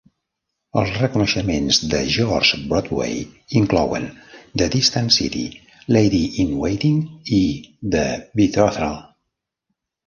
Els reconeixements de George Broadway inclouen "The Distant City", "Lady in Waiting" i "The Betrothal".